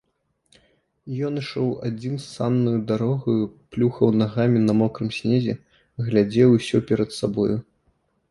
Ён ішоў адзін саннаю дарогаю, плюхаў нагамі на мокрым снезе, глядзеў усё перад сабою.